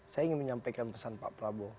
saya ingin menyampaikan pesan pak prabowo